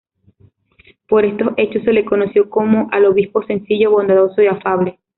Por estos hechos se le conoció como al "obispo sencillo, bondadoso y afable".